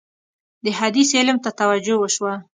د حدیث علم ته توجه وشوه.